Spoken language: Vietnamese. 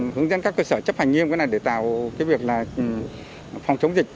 hướng dẫn các cơ sở chấp hành nghiêm cái này để tạo cái việc là phòng chống dịch